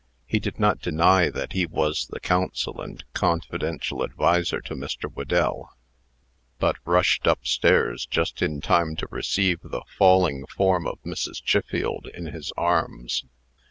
He did not deny that he was the counsel and confidential adviser of Mr. Whedell, but rushed up stairs, just in time to receive the falling form of Mrs. Chiffield in his arms.